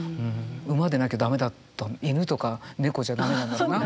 馬でなきゃ駄目だった犬とか猫じゃ駄目なんだろうな。